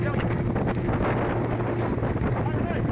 ออกไป